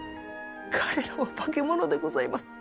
彼らは化け物でございます！